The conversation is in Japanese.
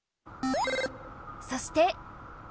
そして。